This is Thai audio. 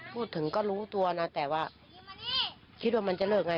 พูดถึงก็รู้ตัวนะแต่ว่าคิดว่ามันจะเลิกไง